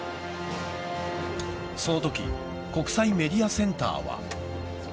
そのとき国際メディアセンターは。